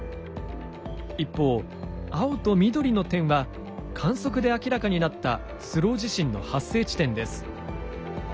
一方青と緑の点は観測で明らかになったスロー地震の発生地点です。